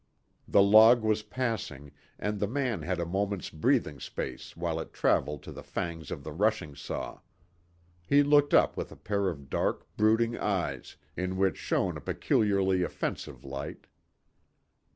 The log was passing, and the man had a moment's breathing space while it traveled to the fangs of the rushing saw. He looked up with a pair of dark, brooding eyes in which shone a peculiarly offensive light.